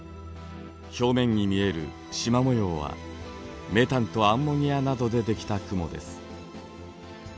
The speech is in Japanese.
表面に見えるしま模様はメタンとアンモニアなどでできた雲です。